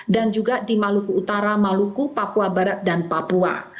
dan juga di maluku utara maluku papua barat dan papua